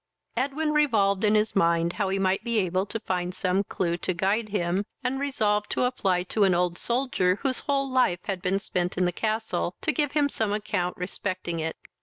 Edwin revolved in his mind how he might be able to find some clue to guide him, and resolved to apply to an old soldier, whose whole life had been spent in the castle, to give him some account respecting it.